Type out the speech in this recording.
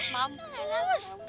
hahaha enak mam